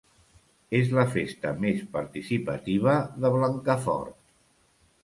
És la festa més participativa de Blancafort.